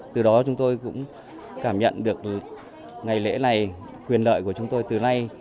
từ đó chúng tôi cũng cảm nhận được ngày lễ này quyền lợi của chúng tôi từ nay